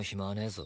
ぞ